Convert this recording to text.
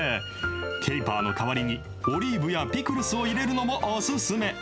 ケイパーの代わりに、オリーブやピクルスを入れるのもお薦め。